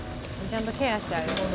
ちゃんとケアしてあげる。